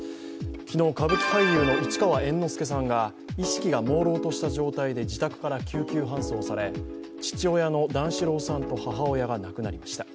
昨日、歌舞伎俳優の市川猿之助さんが意識がもうろうとした状態で自宅から救急搬送され父親の段四郎さんと母親が亡くなりました。